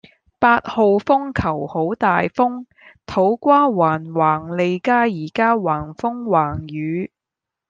八號風球好大風，土瓜灣環利街依家橫風橫雨